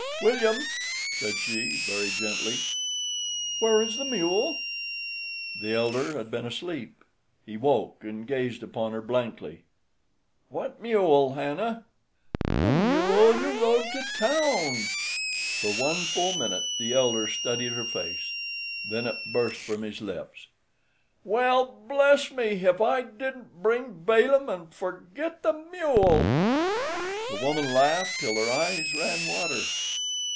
"William," said she, very gently, "where is the mule?" The elder had been asleep. He woke and gazed upon her blankly. "What mule, Hannah?" "The mule you rode to town." For one full minute the elder studied her face. Then it burst from his lips: "Well, bless me! if I didn't bring Balaam and forgit the mule!" The woman laughed till her eyes ran water.